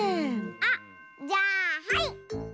あっじゃあはい！